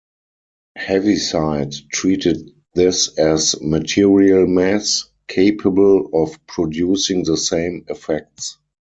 Heaviside treated this as material mass, capable of producing the same effects.